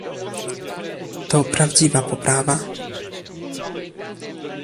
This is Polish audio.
To prawdziwa poprawa